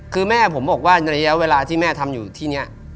คือแม่ผมบอกว่าในระยะเวลาที่แม่ทำอยู่ที่นี้